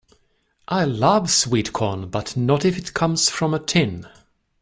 I love sweetcorn, but not if it comes from a tin.